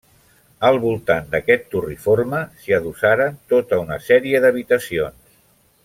Al voltant d'aquest turriforme s'hi adossaren tota una sèrie d'habitacions.